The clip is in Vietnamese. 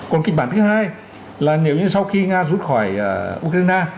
còn kịch bản thứ hai là nếu như sau khi nga rút khỏi ukraine